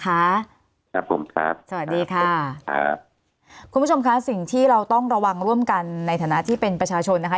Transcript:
ครับผมครับสวัสดีค่ะครับคุณผู้ชมค่ะสิ่งที่เราต้องระวังร่วมกันในฐานะที่เป็นประชาชนนะคะ